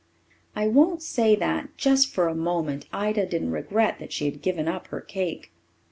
I won't say that, just for a moment, Ida didn't regret that she had given up her cake.